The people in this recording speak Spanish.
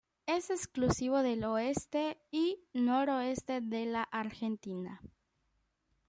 Es exclusivo del oeste y noroeste de la Argentina.